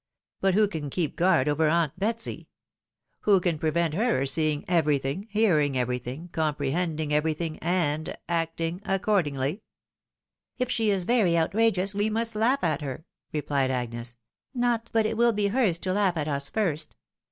But who can keep guard over aunt Betsy ? Who can prevent her seeing everything, hearing everything, comprehending every thing, and — acting accordingly ?" 126 THE WIDOW MARRIED. " If she is very outrageous, we must laugh at her," repHed Agnes ;" not but it will be hers to laugh at us first.